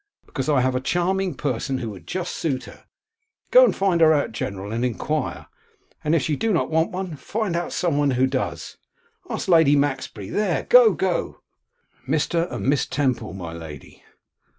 Because I have a charming person who would just suit her. Go and find her out, General, and enquire; and if she do not want one, find out some one who does. Ask Lady Maxbury. There, go, go.' 'Mr. and Miss Temple, my lady.